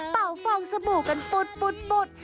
เป่าฟองสบู่กันปุด